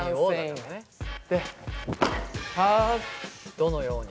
どのように。